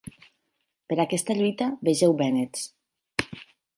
Per aquesta lluita vegeu vènets.